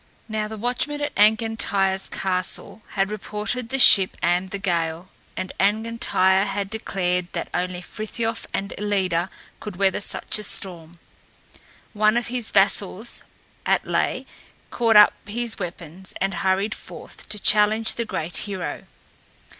Now the watchman at Angantyr's castle had reported the ship and the gale, and Angantyr had declared that only Frithiof and Ellida could weather such a storm. One of his vassals, Atlé, caught up his weapons and hurried forth to challenge the great hero.